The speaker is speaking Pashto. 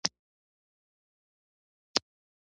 د زابل په میزانه کې د څه شي نښې دي؟